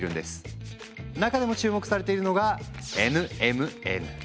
中でも注目されているのがＮＭＮ。